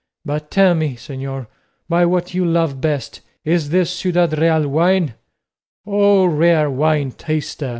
But tell me, señor, by what you love best, is this Ciudad Real wine?" "O rare wine taster!"